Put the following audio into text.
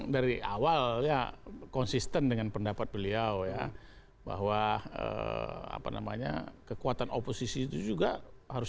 dari awal ya konsisten dengan pendapat beliau ya bahwa apa namanya kekuatan oposisi itu juga harus